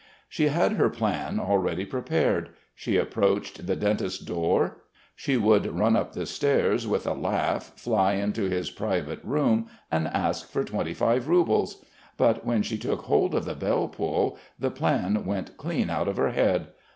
She had her plan already prepared. She approached the dentist's door. She would run up the stairs, with a laugh, fly into his private room and ask for twenty five roubles.... But when she took hold of the bell pull, the plan went clean out of her head.